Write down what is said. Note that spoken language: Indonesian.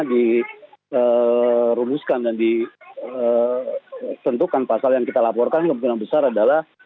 dirumuskan dan ditentukan pasal yang kita laporkan kemungkinan besar adalah